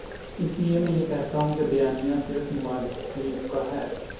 اس لیے میں یہ کہتا ہوں کہ بیانیہ صرف نوازشریف کا ہے۔